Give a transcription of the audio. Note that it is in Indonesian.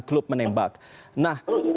klub menembak nah